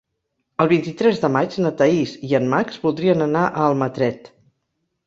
El vint-i-tres de maig na Thaís i en Max voldrien anar a Almatret.